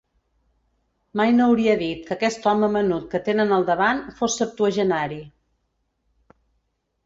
Mai no hauria dit que aquest home menut que tenen al davant fos septuagenari.